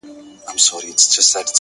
لوړ فکر نوې لارې رامنځته کوي.